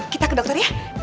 kita ke dokter ya